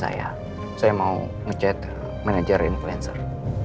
saya mau ngechat manajer influencer